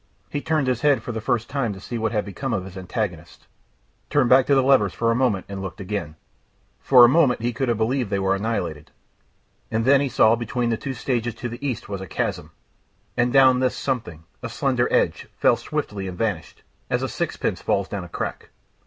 He turned his head for the first time to see what had become of his antagonists. Turned back to the levers for a moment and looked again. For a moment he could have believed they were annihilated. And then he saw between the two stages to the east was a chasm, and down this something, a slender edge, fell swiftly and vanished, as a sixpence falls down a crack.